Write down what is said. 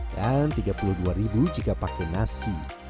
dan rp tiga puluh dua jika pakai nasi